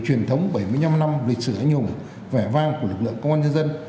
truyền thống bảy mươi năm năm lịch sử anh hùng vẻ vang của lực lượng công an nhân dân